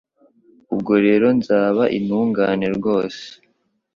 Ubwo rero nzaba intungane rwose